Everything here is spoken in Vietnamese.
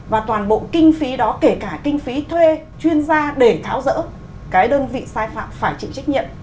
và toàn bộ kinh phí đó kể cả kinh phí thuê chuyên gia để tháo rỡ cái đơn vị sai phạm phải chịu trách nhiệm